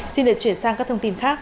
xin được chuyển sang các thông tin khác